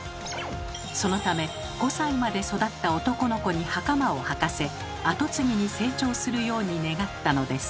そのため５歳まで育った男の子にはかまをはかせ跡継ぎに成長するように願ったのです。